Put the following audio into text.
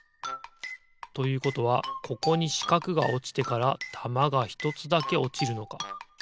ということはここにしかくがおちてからたまがひとつだけおちるのか。